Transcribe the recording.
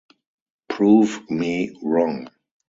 Prove me wrong.